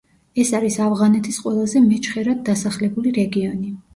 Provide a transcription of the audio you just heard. ეს არის ავღანეთის ყველაზე მეჩხერად დასახლებული რეგიონი.